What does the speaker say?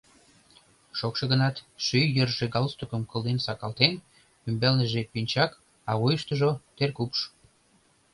Шокшо гынат, шӱй йырже галстукым кылден сакалтен, ӱмбалныже пинчак, а вуйыштыжо теркупш.